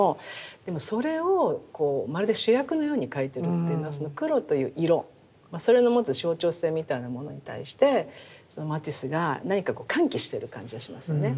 でもそれをまるで主役のように描いてるっていうのはその黒という色それの持つ象徴性みたいなものに対してマティスが何か喚起してる感じがしますよね。